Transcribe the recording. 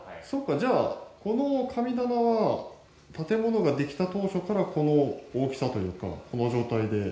じゃあこの神棚は建物ができた当初からこの大きさというかこの状態で？